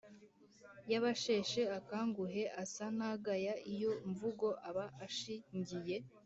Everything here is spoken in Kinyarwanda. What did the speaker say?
y'abasheshe aka-nguhe asa n'agaya iyo mvugo, aba ashi ngiye